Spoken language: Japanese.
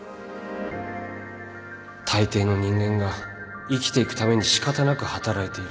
たいていの人間が生きていくために仕方なく働いている